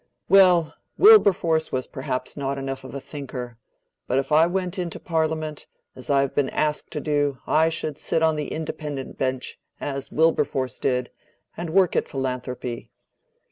"Well, Wilberforce was perhaps not enough of a thinker; but if I went into Parliament, as I have been asked to do, I should sit on the independent bench, as Wilberforce did, and work at philanthropy."